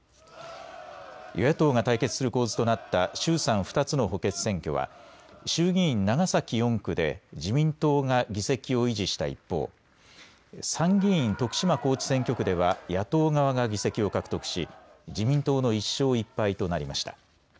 与野党が対決する構図となった衆参２つの補欠選挙は衆議院長崎４区で自民党が議席を維持した一方、参議院徳島高知選挙区では野党側が議席を獲得し自民党の１勝１敗となりました。